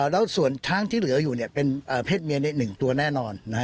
แล้วส่วนช้างที่เหลืออยู่เป็นเพศเมียใน๑ตัวแน่นอน